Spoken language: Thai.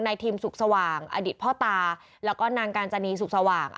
นายทีมสุขสว่างอดิษฐ์พ่อตาแล้วก็นางการิจารย์สุขสว่าง